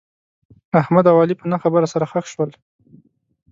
احمد او علي په نه خبره سره خښ شول.